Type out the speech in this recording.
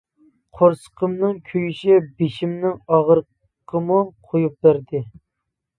قورسىقىمنىڭ كۆپۈشى، بېشىمنىڭ ئاغرىقىمۇ قويۇپ بەردى.